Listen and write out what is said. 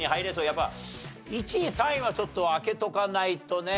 やっぱ１位３位はちょっと開けとかないとね。